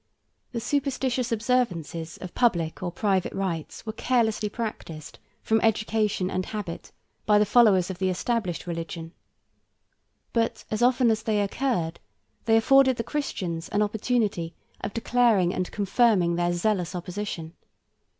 The superstitious observances of public or private rites were carelessly practised, from education and habit, by the followers of the established religion. But as often as they occurred, they afforded the Christians an opportunity of declaring and confirming their zealous opposition.